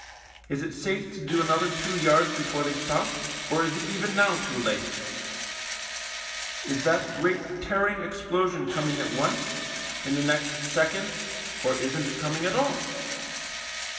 Is it safe to do another two yards before they stop, or is it even now too late ? Is that great tear ing explosion coming at once, in the next second, or isn't it coming at all